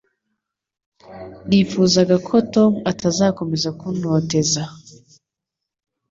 Nifuzaga ko Tom atazakomeza kuntoteza